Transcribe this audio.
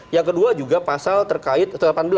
yang kedua juga pasal terkait satu ratus delapan belas